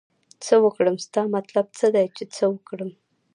څه وکړم ستا مطلب څه دی چې څه وکړم